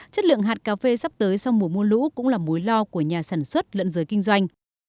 chất lượng hạt cà phê sắp tới sau mùa mua lũ cũng là mối lo của nhà sản